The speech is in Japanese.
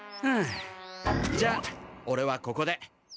はあじゃあオレはここで。